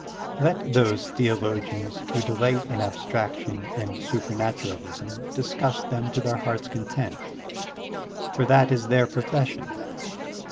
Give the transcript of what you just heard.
Let those theologians who delight in abstraction and supematuralism discuss them to their hearts' content, for that is their profession.